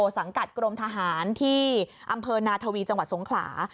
สังกัดกรมทหารที่อำเภอนาทวีจังหวัดสงขลา